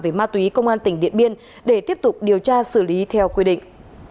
về ma túy công an tỉnh điện biên để tiếp tục điều tra xử lý theo quy định